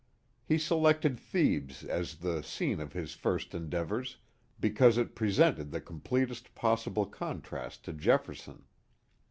He selected Thebes as the scene of his first endeavors because it presented the completest possible contrast to Jefferson.